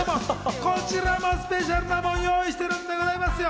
こちらもスペシャルなものを用意してるんでございますよ。